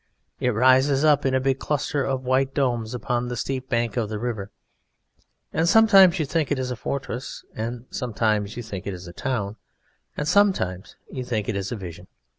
It rises up in a big cluster of white domes upon the steep bank of the river. And sometimes you think it a fortress, and sometimes you think it a town, and sometimes you think it a vision.